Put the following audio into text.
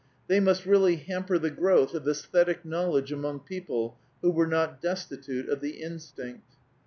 They must really hamper the growth of æsthetic knowledge among people who were not destitute of the instinct.